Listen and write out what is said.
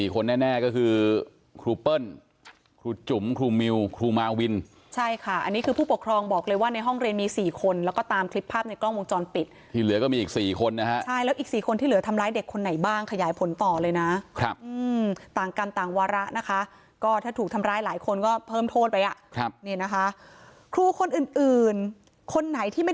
คนแน่ก็คือครูเปิ้ลครูจุ๋มครูมิวครูมาวินใช่ค่ะอันนี้คือผู้ปกครองบอกเลยว่าในห้องเรียนมี๔คนแล้วก็ตามคลิปภาพในกล้องวงจรปิดที่เหลือก็มีอีก๔คนนะฮะใช่แล้วอีก๔คนที่เหลือทำร้ายเด็กคนไหนบ้างขยายผลต่อเลยนะครับต่างกันต่างวาระนะคะก็ถ้าถูกทำร้ายหลายคนก็เพิ่มโทษไปอ่ะครับนี่นะคะครูคนอื่นคนไหนที่ไม่